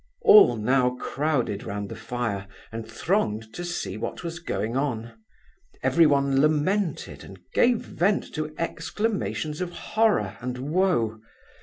All now crowded round the fire and thronged to see what was going on; everyone lamented and gave vent to exclamations of horror and woe.